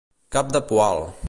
Cap de poal.